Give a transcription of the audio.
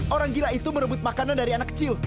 orang gila itu berebut makanan dari anak kecil